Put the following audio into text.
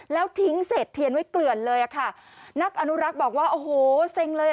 แล้วทิ้งเศษเทียนไว้เกลือนเลยอ่ะค่ะนักอนุรักษ์บอกว่าโอ้โหเซ็งเลย